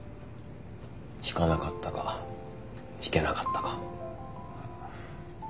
弾かなかったか弾けなかったか。